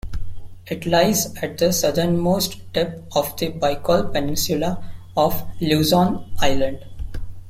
It lies at the southernmost tip of the Bicol Peninsula of Luzon Island.